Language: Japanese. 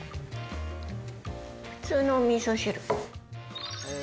普通のおみそ汁。